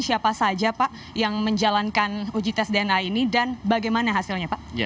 siapa saja pak yang menjalankan uji tes dna ini dan bagaimana hasilnya pak